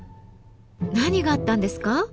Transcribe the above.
何があったんですか？